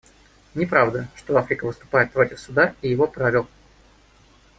Неправда, что Африка выступает против Суда и его правил.